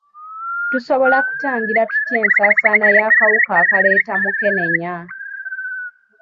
Tusobola kutangira tutya ensaasaana y'akawuka akaleeta mukenenya?